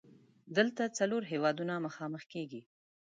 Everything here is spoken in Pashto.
دلته څلور هیوادونه مخامخ کیږي.